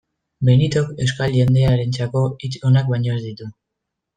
Benitok euskal jendearentzako hitz onak baino ez ditu.